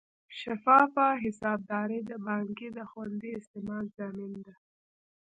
شفافه حسابداري د پانګې د خوندي استعمال ضامن ده.